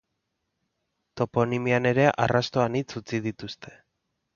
Toponimian ere arrasto anitz utzi dituzte.